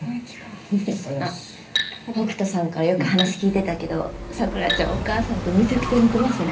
あっ北斗さんからよく話聞いてたけど桜ちゃんお母さんとめちゃくちゃ似てますね。